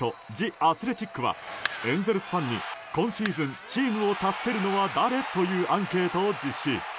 ・アスレチックはエンゼルスファンに「今シーズンチームを助けるのは誰」というアンケートを実施。